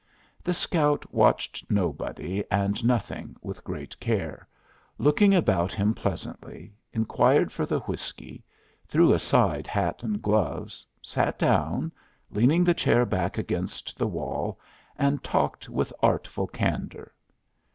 The scout watched nobody and nothing with great care, looked about him pleasantly, inquired for the whiskey, threw aside hat and gloves, sat down, leaning the chair back against the wall, and talked with artful candor.